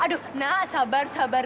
aduh nah sabar sabar